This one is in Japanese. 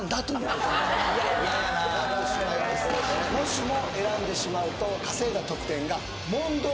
もしも選んでしまうと稼いだ得点が問答